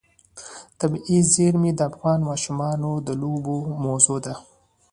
طبیعي زیرمې د افغان ماشومانو د لوبو موضوع ده.